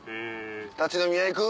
立ち飲み屋行く？